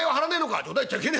「冗談言っちゃいけねえや。